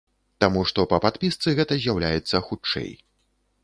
Таму што па падпісцы гэта з'яўляецца хутчэй.